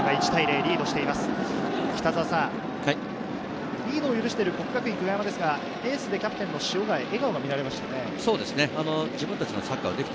リードを許してる國學院久我山ですが、エースでキャプテンの塩貝、笑顔が見られました。